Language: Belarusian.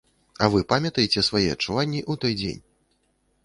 А вы памятаеце свае адчуванні ў той дзень?